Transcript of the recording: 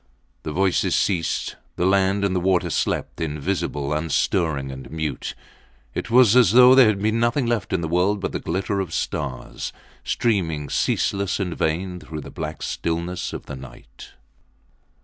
The voices ceased. The land and the water slept invisible, unstirring and mute. It was as though there had been nothing left in the world but the glitter of stars streaming, ceaseless and vain, through the black stillness of the night.